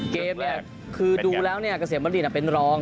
เกมคือดูแล้วเกษตรมณฑิตเป็นรอง